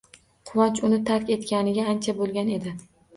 Quvonch uni tark etganiga ancha bo‘lgan edi.